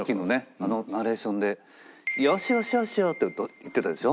あのナレーションで「洋酒を少々」って言ってたでしょ？